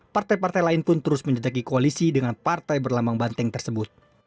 partai partai lain pun terus menjejaki koalisi dengan partai berlambang banteng tersebut